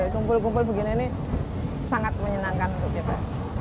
kumpul kumpul begini ini sangat menyenangkan untuk kita